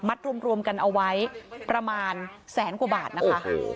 รวมกันเอาไว้ประมาณแสนกว่าบาทนะคะ